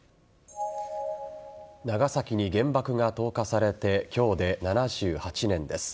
長崎に原爆が投下されて今日で７８年です。